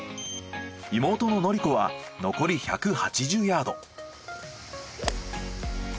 妹の宣子は残り１８０ヤード。